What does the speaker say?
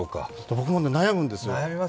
僕も悩むんですよ。